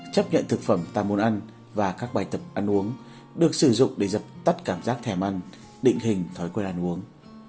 chấp nhận thực phẩm ta muốn ăn và các bài tập ăn uống được sử dụng để dập tắt cảm giác thèm ăn định hình thói quen ăn uống